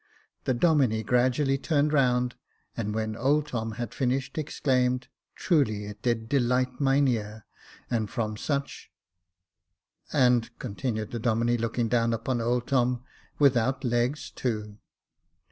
The Domine gradually turned round, and when old Tom had finished, exclaimed, Truly it did delight mine ear, and from such and," continued the Domine, looking down upon old Tom —" without legs too